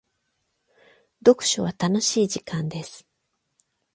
読書は楽しい時間です。